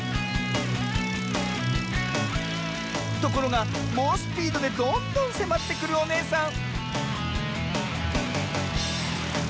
ところがもうスピードでどんどんせまってくるおねえさん